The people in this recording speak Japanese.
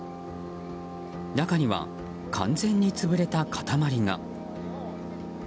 中には、完全に潰れた塊が。